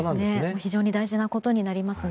非常に大事なことになりますね。